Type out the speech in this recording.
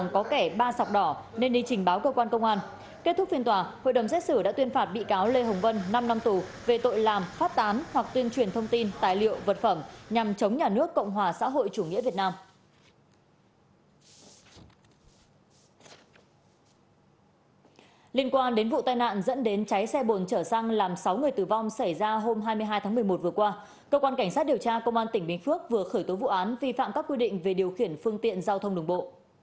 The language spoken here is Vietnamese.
cơ quan cảnh sát điều tra công an tỉnh bình phước vừa khởi tố vụ án vi phạm các quy định về điều khiển phương tiện giao thông đồng bộ